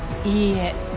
いいえ。